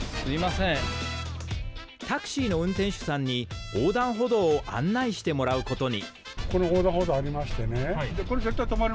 タクシーの運転手さんに横断歩道を案内してもらうことに。